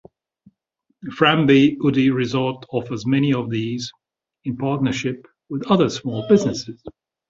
Framby Udde Resort offers many of these in partnership with other small businesses.